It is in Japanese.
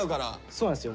そうなんですよ。